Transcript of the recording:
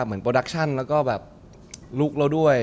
เพราะว่าความบริสุทธิ์ของบริสุทธิ์